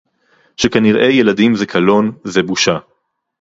שכנראה ילדים זה קלון, זה בושה